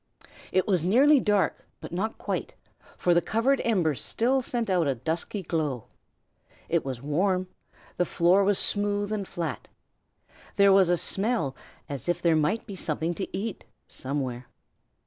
It was nearly dark, but not quite, for the covered embers still sent out a dusky glow. It was warm; the floor was smooth and flat; there was a smell as if there might be something to eat, somewhere.